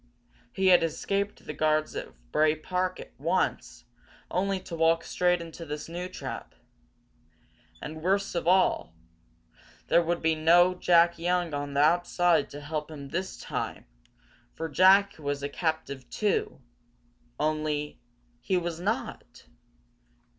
He had escaped the guards of Bray Park once, only to walk straight into this new trap. And, worst of all, there would be no Jack Young outside to help this time, for Jack was a captive, too. Only he was not!